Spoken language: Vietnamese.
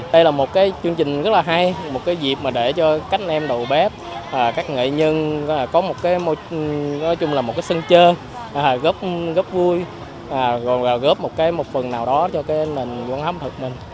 đây là một chương trình rất là hay một dịp để cho các em đầu bếp các nghệ nhân có một sân chơi góp vui góp một phần nào đó cho nền văn hóa ẩm thực mình